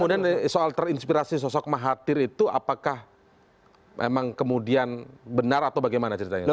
jadi soal terinspirasi sosok mahathir itu apakah memang kemudian benar atau bagaimana ceritanya